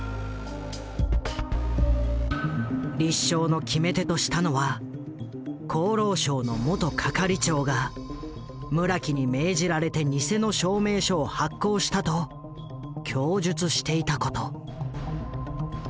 立証の決め手としたのは厚労省の元係長が村木に命じられて偽の証明書を発行したと供述していたこと。